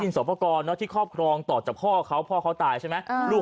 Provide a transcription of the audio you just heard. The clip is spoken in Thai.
สอบประกอบที่ครอบครองต่อจากพ่อเขาพ่อเขาตายใช่ไหมลูก